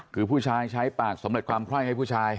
คือผู้ชายใช้ปากสำเร็จความไคร่ให้ผู้ชาย